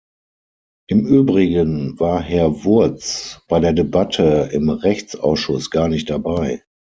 Im übrigen war Herr Wurtz bei der Debatte im Rechtsausschuss gar nicht dabei.